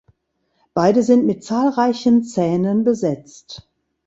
Beide sind mit zahlreichen Zähnen besetzt.